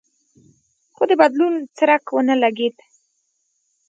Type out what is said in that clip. خو د بدلون څرک ونه لګېد.